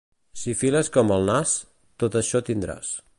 Si files com el nas, tot això tindràs.